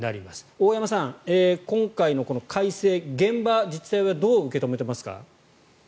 大山さん、今回の改正現場、自治体はどう受け止めていますか？